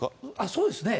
そうですね。